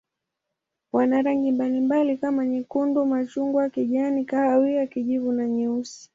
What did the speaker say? Wana rangi mbalimbali kama nyekundu, machungwa, kijani, kahawia, kijivu na nyeusi.